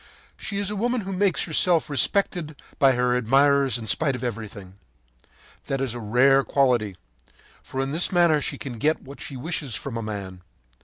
She is a woman who makes herself respected by her admirers in spite of everything. That is a rare quality, for in this manner she can get what she wishes from a man.